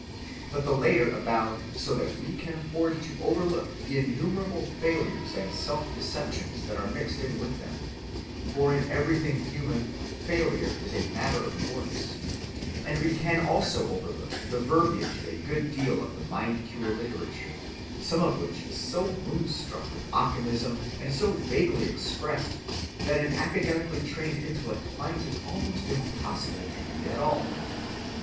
But the latter abound so that we can afford to overlook the innumerable failures and self‐deceptions that are mixed in with them (for in everything human failure is a matter of course), and we can also overlook the verbiage of a good deal of the mind‐cure literature, some of which is so moonstruck with optimism and so vaguely expressed that an academically trained intellect finds it almost impossible to read it at all.